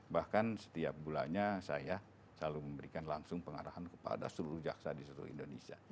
bahkan setiap bulannya saya selalu memberikan langsung pengarahan kepada seluruh jaksa di seluruh indonesia